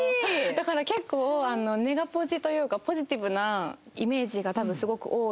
だから結構ネガポジというかポジティブなイメージが多分すごく多い世の中にも。